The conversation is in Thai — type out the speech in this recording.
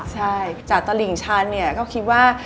ใช่จากตลิ่งชั้นก็คิดว่า